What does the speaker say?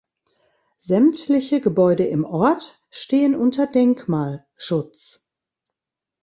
Sämtliche Gebäude im Ort stehen unter Denkmalschutz.